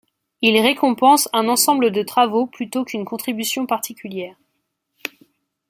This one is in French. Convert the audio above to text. Il récompense un ensemble de travaux plutôt qu'une contribution particulière.